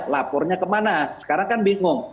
lapornya kemana sekarang kan bingung